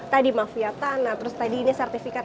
tadi mafia tanah terus tadi ini sertifikat